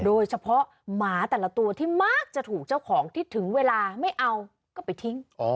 หมาแต่ละตัวที่มักจะถูกเจ้าของที่ถึงเวลาไม่เอาก็ไปทิ้ง